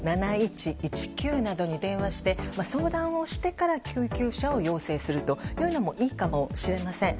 ７１１９などに電話して相談をしてから救急車を要請するというのもいいかもしれません。